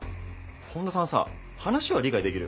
本田さんさ話は理解できる？